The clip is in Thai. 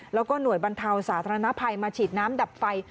แล้วก็หน่วยบรรเทาสาธารณภัยมาฉีดน้ำดับไฟ